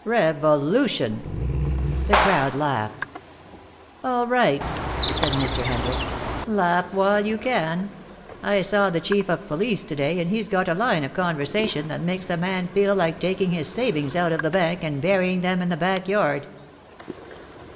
"Revolution." The crowd laughed. "All right," said Mr. Hendricks. "Laugh while you can. I saw the Chief of Police to day, and he's got a line of conversation that makes a man feel like taking his savings out of the bank and burying them in the back yard."